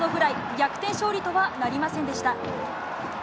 逆転勝利とはなりませんでした。